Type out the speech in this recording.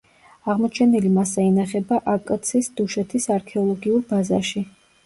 აღმოჩენილი მასალა ინახება აკც-ის დუშეთის არქეოლოგიურ ბაზაში.